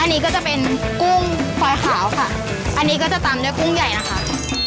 อันนี้ก็จะเป็นกุ้งฟอยขาวค่ะอันนี้ก็จะตามด้วยกุ้งใหญ่นะคะ